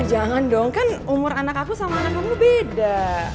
jangan dong kan umur anak aku sama anak kamu beda